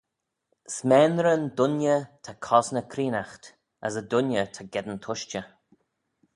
S'maynrey'n dooinney ta cosney creenaght, as y dooinney ta geddyn tushtey.